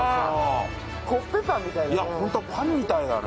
コッペパンみたいだね。